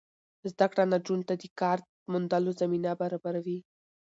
زده کړه نجونو ته د کار موندلو زمینه برابروي.